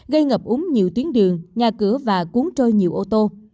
gây ngập úng nhiều tuyến đường nhà cửa và cuốn trôi nhiều ô tô